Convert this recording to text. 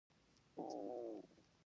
بل ښودلئ شی